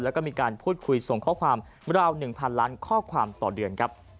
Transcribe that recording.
และก็มีการพูดคุยส่งข้อความเวลา๑๐๐๐ล้านข้อความต่อเดือน